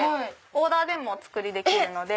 オーダーでもお作りできるので。